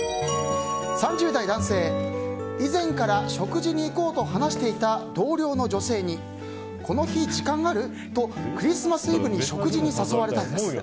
３０代男性以前から食事に行こうと話していた同僚の女性にこの日、時間ある？とクリスマスイブに食事に誘われたんです。